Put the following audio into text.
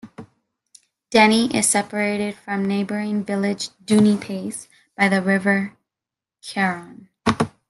Denny is separated from neighbouring village Dunipace by the River Carron.